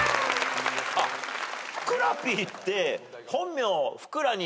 あっふくらＰって本名。